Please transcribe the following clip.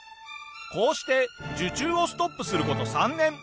こうして受注をストップする事３年。